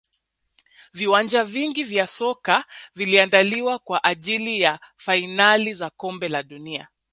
viwanja vingi vya soka viliandaliwa kwa ajili ya fainali za kombe la dunia